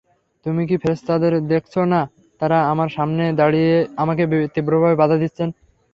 তুমি কি ফেরেশতাদের দেখছ না-তাঁরা আমার সামনে দাঁড়িয়ে আমাকে তীব্রভাবে বাধা দিচ্ছেন?